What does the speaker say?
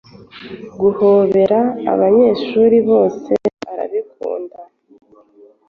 guhobera abanyeshuri bose arabikunda